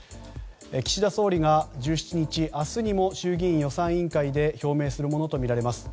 岸田総理が１７日明日にも衆議院予算委員会で表明するものとみられます。